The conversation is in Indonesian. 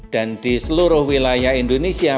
dan di seluruh wilayah indonesia